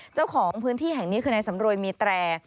เจ้าของพื้นที่แห่งนี้คือนายสำรวยมีแตร